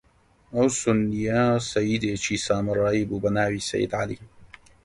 ئەو سوننییە سەییدێکی سامرایی بوو، بە ناوی سەیید عەلی